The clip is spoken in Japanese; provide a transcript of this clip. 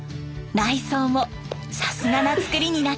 内装もさすがな造りになっています。